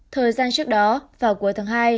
thời gian trước đó vào cuối tháng hai